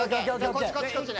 こっちこっちこっちね。